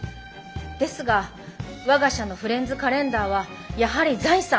ですが我が社のフレンズカレンダーはやはり財産。